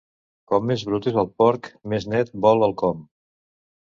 Com més brut és el porc, més net vol el com.